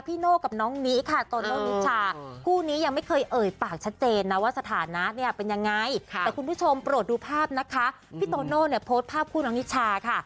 พี่โนโนเนี่ยโพสต์ภาพคู่น้องนิชาค่ะ